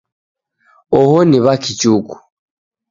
Oho Ni W'akichuku.